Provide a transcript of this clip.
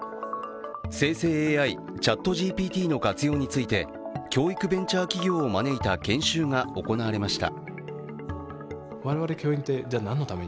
生成ＡＩ、ＣｈａｔＧＰＴの活用について教育ベンチャー企業を招いた研修が行われました。